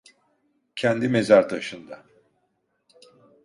Kendi mezar taşında.